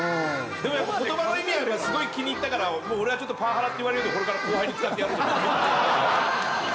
でもやっぱ言葉の意味はすごい気に入ったからもう俺はちょっとパワハラって言われようがこれから後輩に使ってやろうと思います。